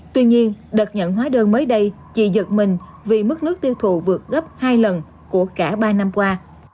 tuy nhiên đợt nhận hóa đơn mới đây chị giật mình vì mức nước tiêu thụ vượt gấp hai lần của cả ba năm qua